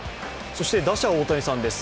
そして打者・大谷さんです。